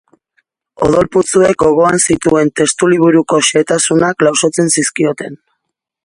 Odol-putzuek gogoan zituen testuliburuko xehetasunak lausotzen zizkioten.